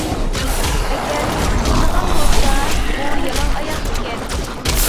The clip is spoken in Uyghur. ئەگەر چىقىدىغان بولسا ئۇ يالاڭ ئاياغ ئىكەن.